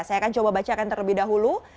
saya akan coba bacakan terlebih dahulu